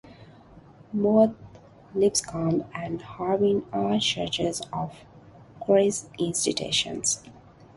Both Lipscomb and Harding are Churches of Christ institutions.